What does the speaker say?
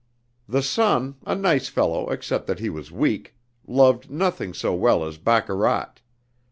The son, a nice fellow except that he was weak, loved nothing so well as baccarat.